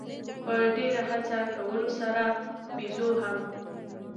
په ډېره هڅه کولو سره بېزو هم.